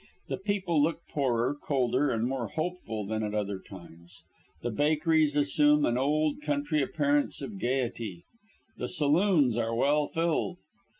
The people look poorer, colder, and more hopeful than at other times. The bakeries assume an old country appearance of gayety. The saloons are well filled.